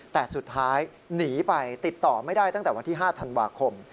แต่สุดท้ายหนีไปติดต่อไม่ได้ตั้งแต่วันที่๕ธันวาคม